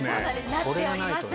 なっております。